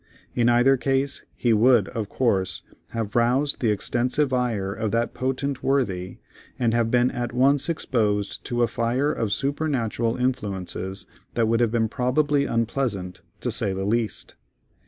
In either case he would, of course, have roused the extensive ire of that potent worthy, and have been at once exposed to a fire of supernatural influences that would have been probably unpleasant, to say the least.